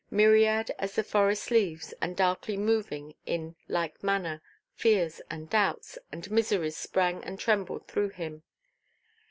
Myriad as the forest leaves, and darkly moving in like manner, fears, and doubts, and miseries sprang and trembled through him.